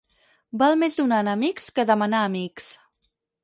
Val més donar a enemics que demanar a amics.